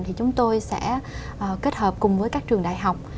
thì chúng tôi sẽ kết hợp cùng với các trường đại học